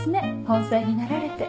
本妻になられて。